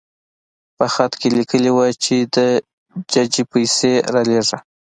په خط کې لیکلي وو چې د ججې پیسې رالېږه.